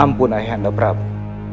ampun ayah anda prabu